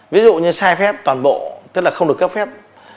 ví dụ như sai phép toàn bộ tức là không được cấp phép